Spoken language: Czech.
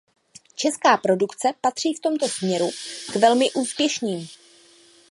Česká produkce patří v tomto směru k velmi úspěšným.